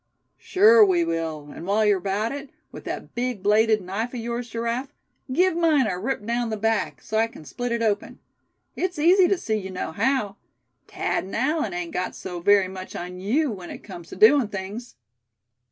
"Sure we will; and while you're about it, with that big bladed knife of yours, Giraffe, give mine a rip down the back, so I c'n split it open. It's easy to see you know how. Thad and Allan ain't got so very much on you, when it comes to doin' things."